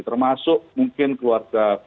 termasuk mungkin keluarga